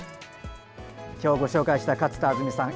今日ご紹介した勝田亜純さん。